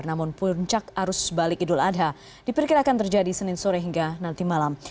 namun puncak arus balik idul adha diperkirakan terjadi senin sore hingga nanti malam